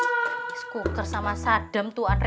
rizkuker sama sadam tuh andre